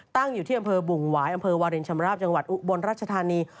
ตั้งอยู่ที่อำเภอบุงหวายอำเภอวารินชำราบจังหวัดอุบลรัชธานี